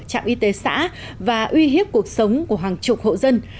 trạm y tế xã và uy hiếp cuộc sống của hàng chục hộ dân